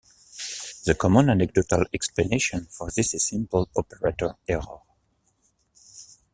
The common anecdotal explanation for these is simple operator error.